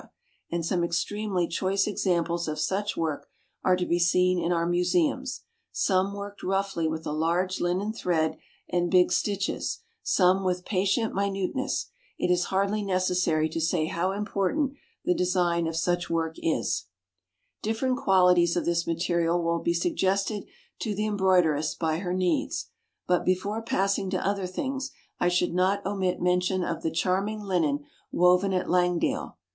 and some extremely choice examples of such work are to be seen in our museums, some worked roughly with a large linen thread and big stitches, some with patient minuteness. It is hardly necessary to say how important the design of such work is. Different qualities of this material will be suggested to the embroideress by her needs; but, before passing to other things, I should not omit mention of the charming linen woven at Langdale.